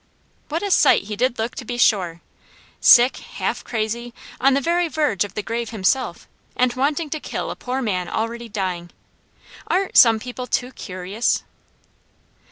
What a sight he did look to be sure! Sick, half crazy, on the very verge of the grave himself, and wanting to kill a poor man already dying. Aren't some people too curious?